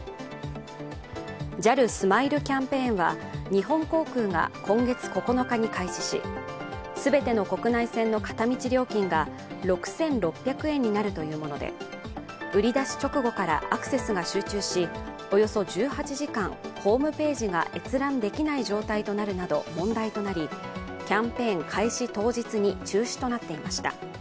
ＪＡＬスマイルキャンペーンは日本航空が今月９日に開始し全ての国内線の片道料金が６６００円になるというもので、売り出し直後からアクセスが集中し、およそ１８時間ホームページが閲覧できない状態となるなど問題となりキャンペーン開始当日に中止となっていました。